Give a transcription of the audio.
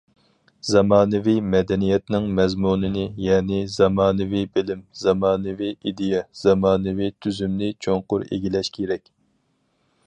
زامانىۋى مەدەنىيەتنىڭ مەزمۇنىنى، يەنى، زامانىۋى بىلىم، زامانىۋى ئىدىيە، زامانىۋى تۈزۈمنى چوڭقۇر ئىگىلەش كېرەك.